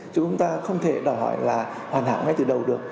chứ chúng ta không thể đòi hỏi là hoàn hảo ngay từ đầu được